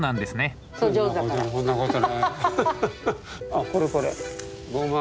あっこれこれゴマ。